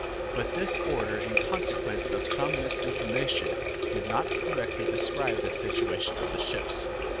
But this order, in consequence of some misinformation, did not correctly describe the situation of the ships.